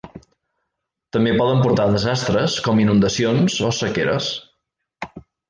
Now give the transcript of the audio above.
També poden portar desastres com inundacions o sequeres.